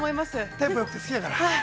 ◆テンポよくて、好きだから。